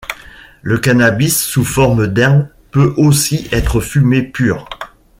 Le cannabis sous forme d'herbe peut aussi être fumé pur.